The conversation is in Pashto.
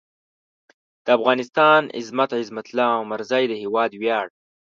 د افغانستان عظمت؛ عظمت الله عمرزی د هېواد وېاړ